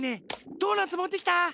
ドーナツもってきた？